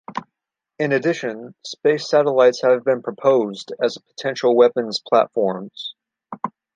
In addition, space satellites have been proposed as potential weapons platforms.